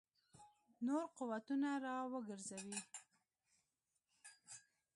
نور قوتونه را وګرځوي.